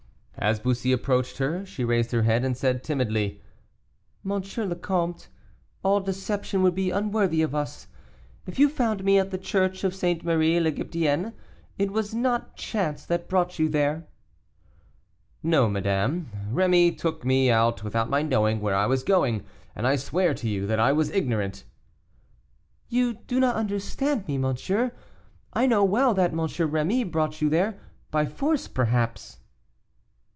As Bussy approached her, she raised her head, and said timidly, "M. le Comte, all deception would be unworthy of us; if you found me at the church of St. Marie l'Egyptienne, it was not chance that brought you there." "No, madame; Rémy took me out without my knowing where I was going, and I swear to you that I was ignorant " "You do not understand me, monsieur, I know well that M. Rémy brought you there, by force, perhaps."